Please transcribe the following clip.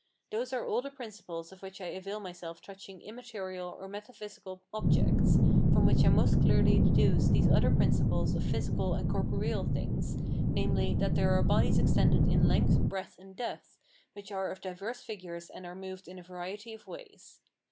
Those are all the principles of which I avail myself touching immaterial or metaphysical objects, from which I most clearly deduce these other principles of physical or corporeal things, namely, that there are bodies extended in length, breadth, and depth, which are of diverse figures and are moved in a variety of ways.